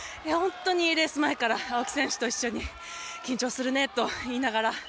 レース前から青木選手と一緒に緊張するねと言いながら。